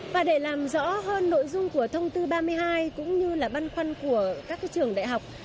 và để làm rõ hơn nội dung của thông tư ba mươi hai cũng như là băn khoăn của các trường đại học